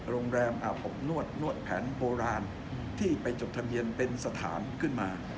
โรงแรมอาบอบนวดนวดแผนโบราณที่ไปจดทะเบียนเป็นสถานขึ้นมา